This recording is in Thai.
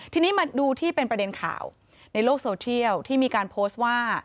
ทีนี้มาดูที่เป็นประเด็นข่าวในโลกโซเทียลที่มีการโพสต์ว่า